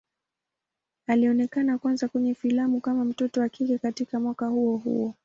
Alionekana kwanza kwenye filamu kama mtoto wa kike katika mwaka huo huo.